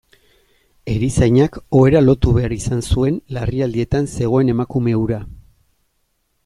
Erizainak ohera lotu behar izan zuen larrialdietan zegoen emakume hura.